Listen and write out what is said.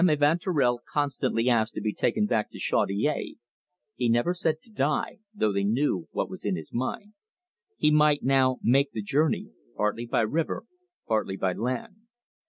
Evanturel constantly asked to be taken back to Chaudiere (he never said to die, though they knew what was in his mind), he might now make the journey, partly by river, partly by land.